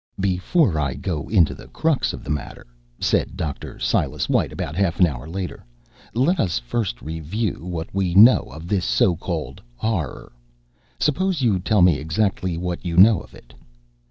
"Before I go to the crux of the matter," said Dr. Silas White, about half an hour later, "let us first review what we know of this so called Horror. Suppose you tell me exactly what you know of it."